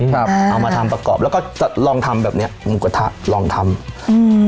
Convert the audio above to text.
เอามาทำประกอบแล้วก็จะลองทำแบบเนี้ยหมูกระทะลองทำอืม